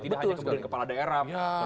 tidak hanya kepala daerah